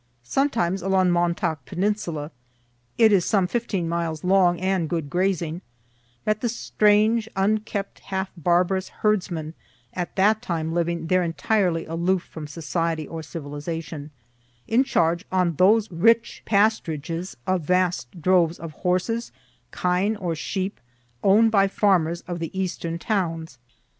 Sometimes, along Montauk peninsula, (it is some 15 miles long, and good grazing,) met the strange, unkempt, half barbarous herdsmen, at that time living there entirely aloof from society or civilization, in charge, on those rich pasturages, of vast droves of horses, kine or sheep, own'd by farmers of the eastern towns.